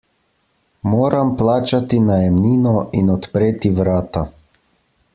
Moram plačati najemnino in odpreti vrata.